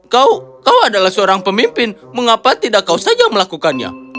kau adalah seorang pemimpin mengapa tidak kau saja melakukannya